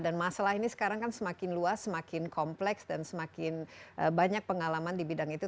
dan masalah ini sekarang kan semakin luas semakin kompleks dan semakin banyak pengalaman di bidang itu